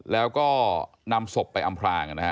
แล้วก็นำศพไปอำพลางนะฮะ